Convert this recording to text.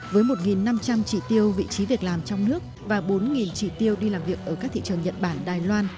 với một năm trăm linh trị tiêu vị trí việc làm trong nước và bốn trị tiêu đi làm việc ở các thị trường nhật bản đài loan